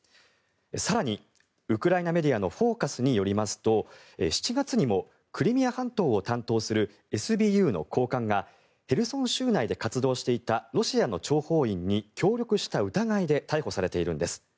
更に、ウクライナメディアのフォーカスによりますと７月にもクリミア半島を担当するＳＢＵの高官がヘルソン州内で活動していたロシアの諜報員に協力した疑いで逮捕されているんです。